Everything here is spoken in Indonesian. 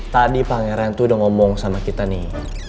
tadi pangeran tuh udah ngomong sama kita nih